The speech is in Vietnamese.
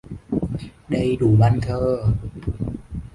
Đầy đủ bàn thờ